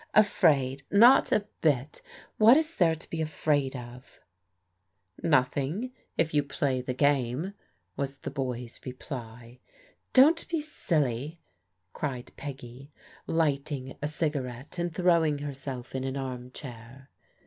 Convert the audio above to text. "Afraid ! Not a bit What is there to be afraid of ?" Nothing if you play the game," was the boy's reply. Don't be silly," cried Peggy, lighting a cigarette, and throwing herself in an armchair.